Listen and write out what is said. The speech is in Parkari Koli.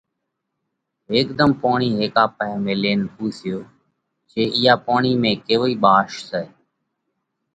ھيڪ ڌم پوڻي ھيڪا پاھي ميلينَ پونسيو جي اِيئا پوڻِي ۾ ڪيوئي ٻاش سئہ؟